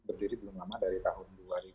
berdiri belum lama dari tahun dua ribu tiga belas